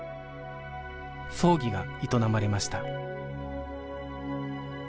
葬儀が営まれました